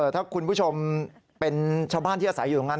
ถ้าคุณผู้ชมเป็นชาวบ้านที่อาศัยอยู่ตรงนั้น